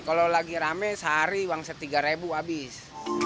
kalau lagi rame sehari uang setiga ribu habis